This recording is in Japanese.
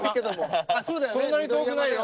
そんなに遠くないよ。